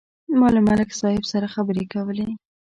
ما له ملک صاحب سره خبرې کولې.